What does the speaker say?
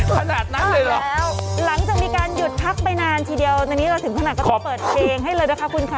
ส้อดแล้วหลังจากมีการหยุดพักไปนานทีเดียวตอนนี้เราถึงขนาดจะเปิดเปลงให้เลยนะครับคุณค่ะ